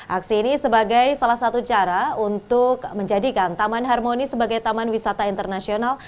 aksi ini sebagai salah satu cara untuk menjadikan taman harmoni sebagai taman wisata internasional